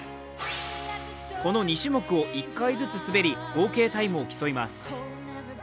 この２種目を１回ずつ滑り、合計タイムを競います。